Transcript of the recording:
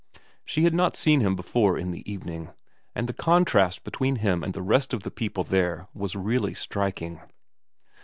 She had not seen him before in the evening, and the contrast between him and the rest of the people there was really striking.